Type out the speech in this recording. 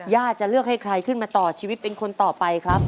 จะเลือกให้ใครขึ้นมาต่อชีวิตเป็นคนต่อไปครับ